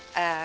ya udah mak